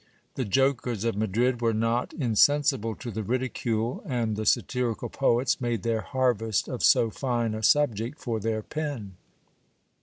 The jokers of Madrid were not in sensible to the ridicule, and the satirical poets made their harvest of so fine a subject for their pen.